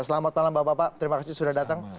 selamat malam bapak bapak terima kasih sudah datang